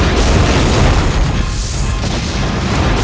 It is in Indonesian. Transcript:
kau mendengarkan pengalaman aku